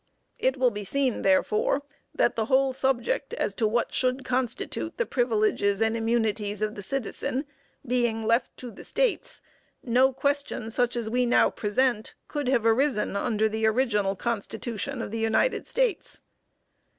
It will be seen, therefore, that the whole subject, as to what should constitute the "privileges and immunities" of the citizen being left to the States, no question, such as we now present, could have arisen under the original constitution of the United States.